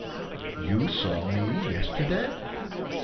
You saw me yesterday?"